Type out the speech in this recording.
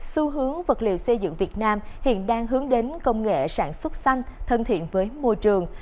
xu hướng vật liệu xây dựng việt nam hiện đang hướng đến công nghệ sản xuất xanh thân thiện với môi trường